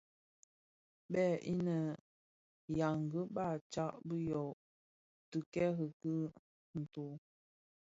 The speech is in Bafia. Bèè inë ù yaghii, baà tsad bi yô tikerike bì ntó.